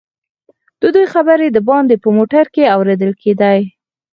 ددوئ خبرې دباندې په موټر کې اورېدل کېدې.